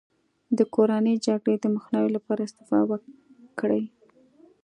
د کورنۍ جګړې د مخنیوي لپاره استعفا وکړي.